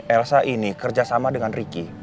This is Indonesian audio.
elsa ini kerja sama dengan riki